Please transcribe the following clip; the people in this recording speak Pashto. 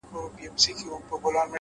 علم د انسان د ذهن دروازې پرانیزي,